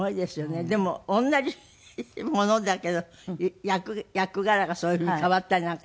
でも同じものだけど役柄がそういうふうに変わったりなんかして。